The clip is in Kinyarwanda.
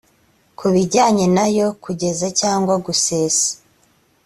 ku bijyanye na yo kuguza cyangwa gusesa